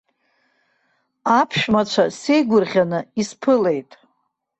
Аԥшәмацәа сеигәырӷьаны исԥылеит.